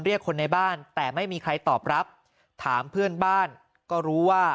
เรียกคนในบ้านแต่ไม่มีใครตอบรับถามเพื่อนบ้านก็รู้ว่า